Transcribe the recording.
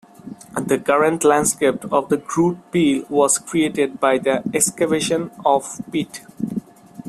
The current landscape of the Groote Peel was created by the excavation of peat.